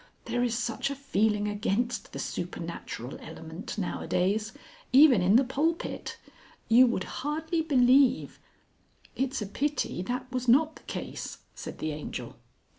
There is such a feeling against the supernatural element nowadays even in the pulpit. You would hardly believe " "It's a pity that was not the case," said the Angel.